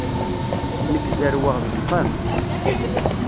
Nekk zerrweɣ deg uxxam.